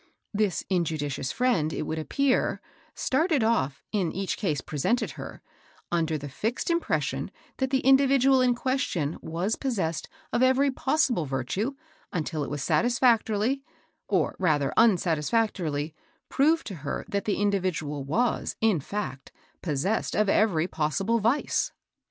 *' This injudicious friend, it would appear, started oflT, in each case presented her, under the fixed impres sion that the individual in question was possessed of every possible virtue until it was satisfactorily, or rather unsatisfactorily — proved to her that the individual was, in fact, possessed of every possible vice.